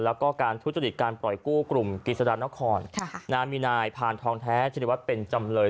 แล้วก็การทุจริตการปล่อยกู้กลุ่มกิจสดานครมีนายพานทองแท้ชินวัฒน์เป็นจำเลย